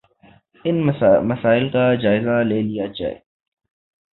ان مسائل کا جائزہ لے لیا جائے